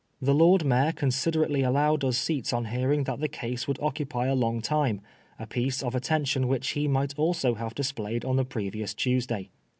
The Lord Mayor considerately allowed us seats on hearing that the case would occupy a Long time, a piece of attention which he might also have displayed on the previous Tuesday.